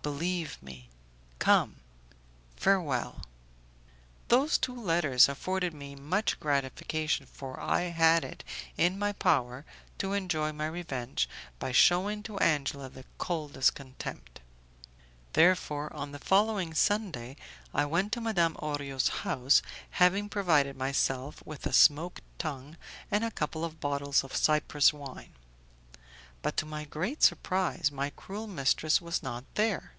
Believe me; come. Farewell!" Those two letters afforded me much gratification, for I had it in my power to enjoy my revenge by shewing to Angela the coldest contempt. Therefore, on the following Sunday I went to Madame Orio's house, having provided myself with a smoked tongue and a couple of bottles of Cyprus wine; but to my great surprise my cruel mistress was not there.